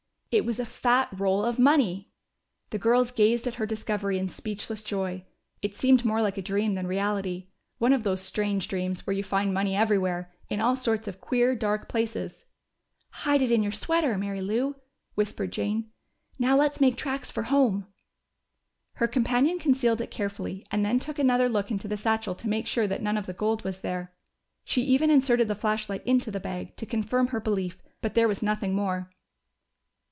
It was a fat roll of money! The girls gazed at her discovery in speechless joy. It seemed more like a dream than reality: one of those strange dreams where you find money everywhere, in all sorts of queer, dark places. "Hide it in your sweater, Mary Lou!" whispered Jane. "Now let's make tracks for home." Her companion concealed it carefully and then took another look into the satchel to make sure that none of the gold was there. She even inserted the flashlight into the bag, to confirm her belief. But there was nothing more.